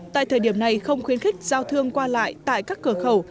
tại thời điểm này không khuyến khích giao thương qua lại tại các cửa khẩu